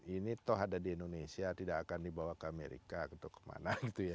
ini toh ada di indonesia tidak akan dibawa ke amerika atau kemana gitu ya